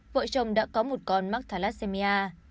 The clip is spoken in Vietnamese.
vợ chồng đã có một con mắc thalassemia